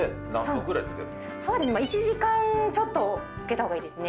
１時間ちょっと漬けた方がいいですね。